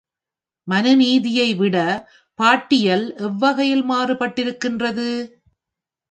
மனுநீதியை விடப் பாட்டியல் எவ்வகையில் மாறுபட்டிருக்கின்றது?